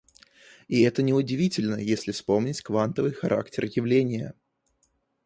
и это неудивительно, если вспомнить квантовый характер явления.